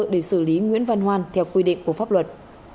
để xử lý nguyễn văn hoan theo quy định của pháp luật